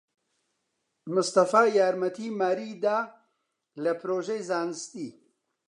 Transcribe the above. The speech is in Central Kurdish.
مستەفا یارمەتیی ماریی دا لە پرۆژەی زانستی.